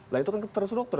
nah itu kan terstruktur